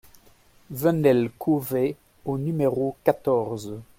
Venelle Cauvet au numéro quatorze